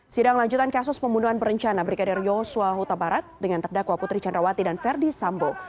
sidang lanjutan kasus pembunuhan berencana brigadir yosua huta barat dengan terdakwa putri candrawati dan verdi sambo